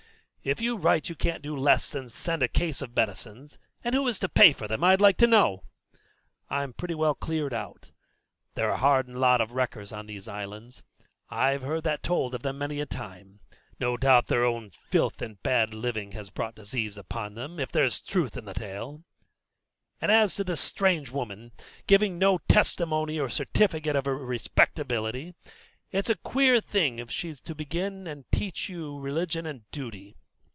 "If you write you can't do less than send a case of medicines, and who is to pay for them, I'd like to know? I'm pretty well cleared out. They're a hardened lot of wreckers on those islands I've heard that told of them many a time. No doubt their own filth and bad living has brought disease upon them, if there's truth in the tale; and as to this strange woman, giving no testimony or certificate of her respectability, it's a queer thing if she's to begin and teach you religion and duty.